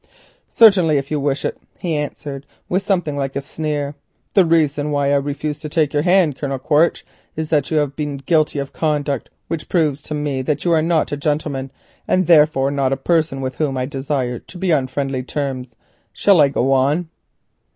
"Certainly, if you wish it," he answered, with something like a sneer. "The reason why I refused to take your hand, Colonel Quaritch, is that you have been guilty of conduct which proves to me that you are not a gentleman, and, therefore, not a person with whom I desire to be on friendly terms. Shall I go on?"